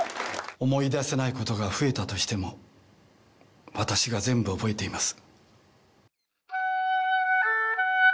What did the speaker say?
思い出せないことが増えたとしても私が全部覚えています。